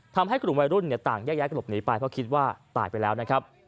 ทำให้กลุ่มวัยรุ่นต่างแยกย้ายกระหลบหนีไปเพราะคิดว่าตายไปแล้วนะครับ